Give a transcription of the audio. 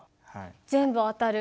全部当たる！